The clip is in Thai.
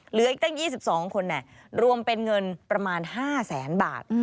เหลืออีกตั้ง๒๒คนรวมเป็นเงินประมาณ๕แสนบาท